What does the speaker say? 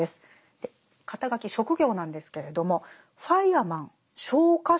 で肩書職業なんですけれどもファイアマン昇火士